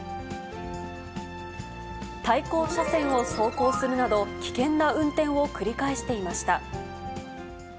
対向車線を走行するなど、危険な運転を繰り返していました。